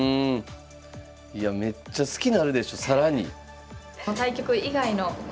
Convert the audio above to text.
いやめっちゃ好きなるでしょ更に。